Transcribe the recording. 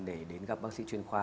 để đến gặp bác sĩ chuyên khoa